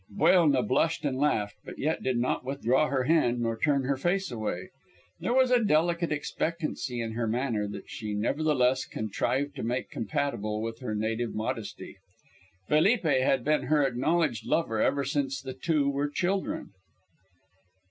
Buelna blushed and laughed, but yet did not withdraw her hand nor turn her face away. There was a delicate expectancy in her manner that she nevertheless contrived to make compatible with her native modesty. Felipe had been her acknowledged lover ever since the two were children.